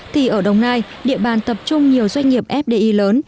thì ở đồng nai địa bàn tập trung nhiều doanh nghiệp fdi lớn